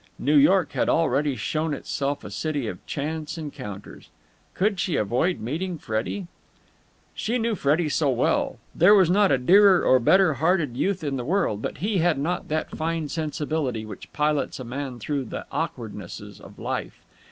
New York had already shown itself a city of chance encounters. Could she avoid meeting Freddie? She knew Freddie so well. There was not a dearer or a better hearted youth in the world, but he had not that fine sensibility which pilots a man through the awkwardnesses of life.